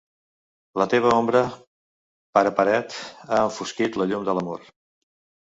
La teva ombra, pare paret, ha enfosquit la llum de l'amor.